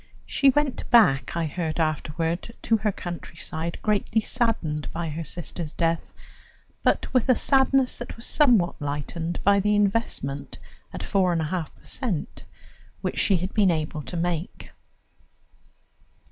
She went back, I heard afterward, to her countryside, greatly saddened by her sister's death, but with a sadness which was somewhat lightened by the investment at four and a half per cent which she had been able to make.